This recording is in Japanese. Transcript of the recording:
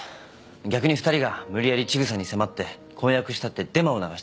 逆に２人が無理やり千草に迫って婚約したってデマを流したんです。